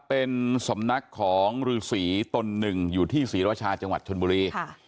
เป็นสำนักของฤษีตนหนึ่งอยู่ที่ศรีรชาจังหวัดชนบุรี